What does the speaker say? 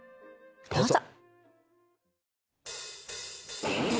どうぞ。